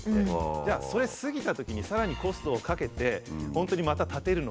じゃあそれ過ぎたときにさらにコストをかけて本当にまた立てるのかとかですね